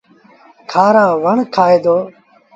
کآرآ وڻ کآئي دو۔